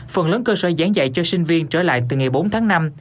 phần lớn cơ sở giảng dạy cho sinh viên trở lại từ ngày bốn tháng năm